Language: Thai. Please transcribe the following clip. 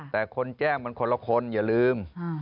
แต่คนแจ้งมันคนละคนอย่าลืม